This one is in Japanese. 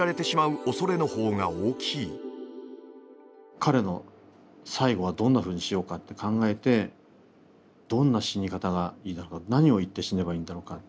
彼の最期はどんなふうにしようかって考えてどんな死に方がいいだろうか何を言って死ねばいいんだろうか。